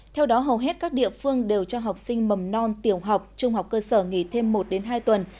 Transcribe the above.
theo đó hầu hết các địa phương đều cho học sinh mầm non tiểu học trung học cơ sở nghỉ thêm một hai tuần